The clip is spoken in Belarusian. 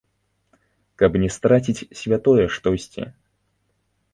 Каб не страціць святое штосьці.